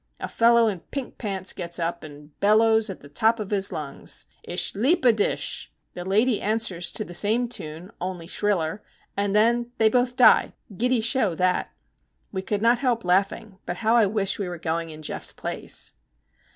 A fellow in pink pants gets up and bellows at the top of his lungs,—'Ish leap a dish!' The lady answers to the same tune, only shriller, and then they both die. Giddy show that!" We could not help laughing; but how I wish I were going in Geof's place!